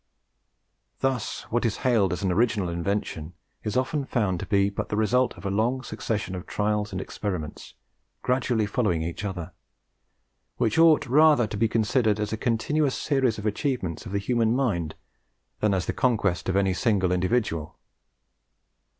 Thus, what is hailed as an original invention is often found to be but the result of a long succession of trials and experiments gradually following each other, which ought rather to be considered as a continuous series of achievements of the human mind than as the conquest of any single individual.